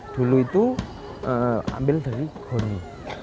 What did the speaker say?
dulu itu ambil dari honi